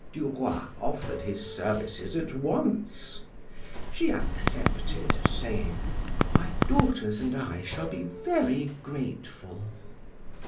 Du Roy offered his services at once. She accepted, saying: "My daughters and I shall be very grateful."